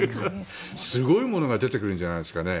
すごいものが出てくるんじゃないですかね。